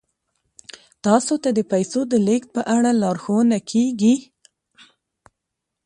تاسو ته د پیسو د لیږد په اړه لارښوونه کیږي.